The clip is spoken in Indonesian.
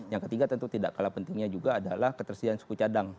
yang ketiga tentu tidak kalah pentingnya juga adalah ketersediaan suku cadang